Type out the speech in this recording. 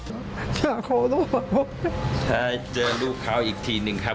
อาจจะเจอลูกเขาอีกทีหนึ่งครับ